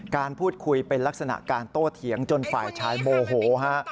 การพูดคุยเป็นลักษณะการโต้เถียงจนฝ่ายชายโมโหฮะ